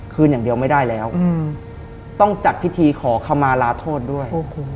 คืนอย่างเดียวไม่ได้แล้วต้องจัดพิธีขอขมาลาโทษด้วย